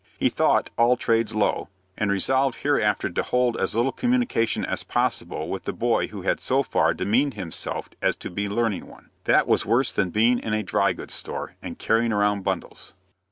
He thought all trades low, and resolved hereafter to hold as little communication as possible with the boy who had so far demeaned himself as to be learning one. That was worse than being in a dry goods store, and carrying around bundles.